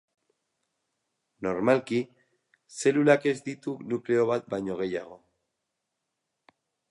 Normalki zelulak ez ditu nukleo bat baino gehiago.